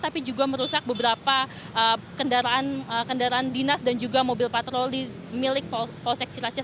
tapi juga merusak beberapa kendaraan dinas dan juga mobil patroli milik polsek cilacap